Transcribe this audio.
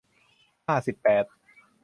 ห้าสิบแปด